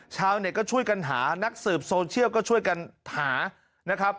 ชาวเน็ตก็ช่วยกันหานักสืบโซเชียลก็ช่วยกันหานะครับ